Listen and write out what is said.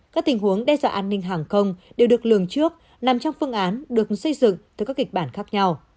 các tình huống đe dọa an ninh hàng không đều được lường trước nằm trong phương án được xây dựng từ các kịch bản khác nhau